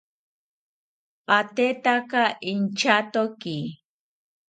Atetaka intyatoki